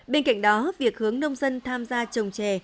bên cạnh đó việc hướng nông dân tham gia trồng trè